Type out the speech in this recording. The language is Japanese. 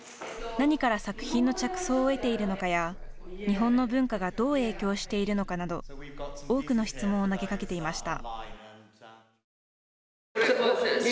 何から作品の着想を得ているのかや、日本の文化がどう影響しているのかなど多くの質問を投げかけていました。